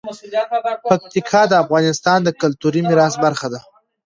پکتیکا د افغانستان د کلتوري میراث برخه ده.